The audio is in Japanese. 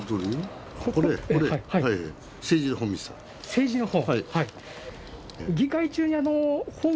政治の本。